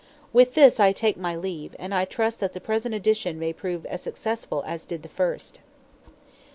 With this I take my leave, and I trust that the present edition may prove as successful as did the first.